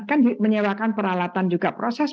kan menyewakan peralatan juga proses